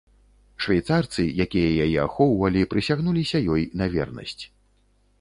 Швейцарцы, якія яе ахоўвалі, прысягнуліся ёй на вернасць.